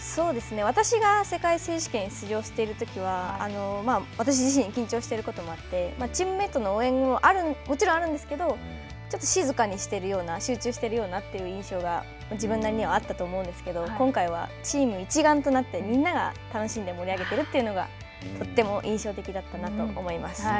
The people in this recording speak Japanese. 私が世界選手権出場しているときは、私自身、緊張していることもあって、チームメートの応援ももちろんあるんですけど、ちょっと静かにしているような、集中しているようなという印象が自分なりにはあったと思うんですけど、今回はチーム一丸となって、みんなが楽しんで盛り上げているというのが、とっても印象的だったなと思います。